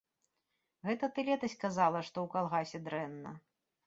Гэта ты летась казала, што ў калгасе дрэнна.